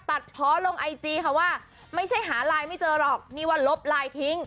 ตัดเพาะลงไอจีค่ะว่าไม่ใช่หาไลน์ไม่เจอหรอกนี่ว่าลบไลน์ทิ้ง